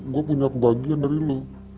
gue punya kebahagiaan dari lo